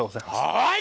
はい！